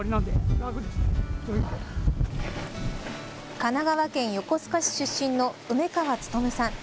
神奈川県横須賀市出身の梅川努さん。